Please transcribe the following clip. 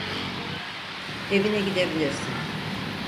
Evine gidebilirsin.